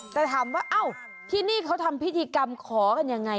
แต่ถามว่าเอ้าที่นี่เขาทำพิธีกรรมขอกันยังไง